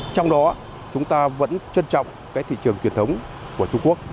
trong đó chúng ta vẫn trân trọng cái thị trường truyền thống của trung quốc